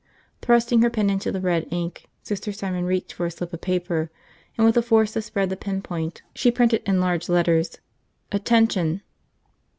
Thrusting her pen into the red ink, Sister Simon reached for a slip of paper and with a force that spread the pen point she printed in large letters, "ATTENTION."